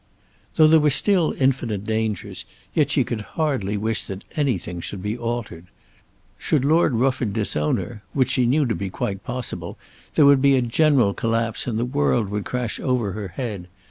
Though there were still infinite dangers, yet she could hardly wish that anything should be altered. Should Lord Rufford disown her, which she knew to be quite possible, there would be a general collapse and the world would crash over her head.